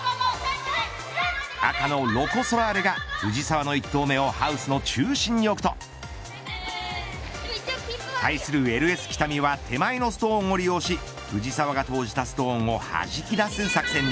赤のロコ・ソラーレが、藤澤の１投目をハウスの中心に置くと対するＬＳ北見は手前のストーンを利用し藤澤が投じたストーンをはじき出す作戦に。